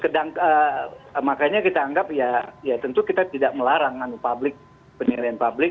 dan makanya kita anggap ya tentu kita tidak melarang anu publik penilaian publik